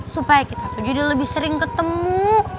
supaya kita jadi lebih sering ketemu